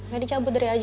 gak dicabut dari aj